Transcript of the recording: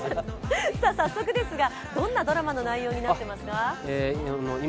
早速ですが、どんなドラマの内容になっていますか？